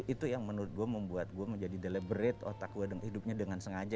itu yang menurut gue membuat gue menjadi deliberate otak gue hidupnya dengan sengaja